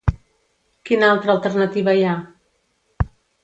Quina altra alternativa hi ha?